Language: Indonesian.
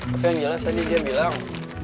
tapi yang jelas tadi dia bilang